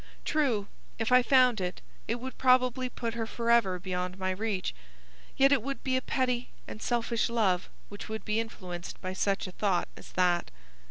True, if I found it it would probably put her forever beyond my reach. Yet it would be a petty and selfish love which would be influenced by such a thought as that.